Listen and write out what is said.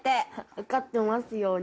受かってますように。